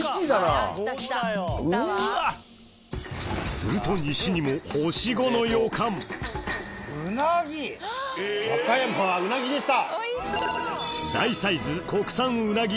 すると西にも和歌山はうなぎでした。